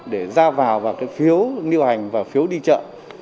để giao vào vào cái phiếu điều hành và phiếu đi chợ